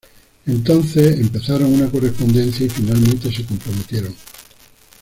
Entonces empezaron una correspondencia y finalmente se comprometieron.